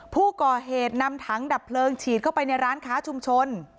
ผู้ก่อเหตุนำถังดับเพลิงฉีดเข้าไปในร้านค้าชุมชน